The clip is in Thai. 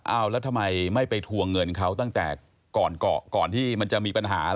เอาแล้วทำไมไม่ไปทวงเงินเขาตั้งแต่ก่อนที่มันจะมีปัญหา